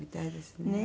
ねえ。